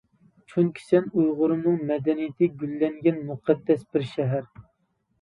چۈنكى سەن ئۇيغۇرۇمنىڭ مەدەنىيىتى گۈللەنگەن مۇقەددەس بىر شەھەر!